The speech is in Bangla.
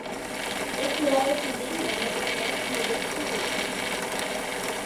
এ খেলায়ও তিনি ম্যান অব দ্য ম্যাচ নির্বাচিত হয়েছিলেন।